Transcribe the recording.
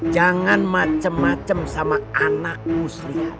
jangan macem macem sama anak muslihat